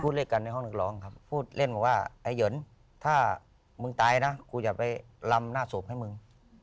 เลขกันในห้องนักร้องครับพูดเล่นบอกว่าไอ้หนถ้ามึงตายนะกูจะไปลำหน้าศพให้มึง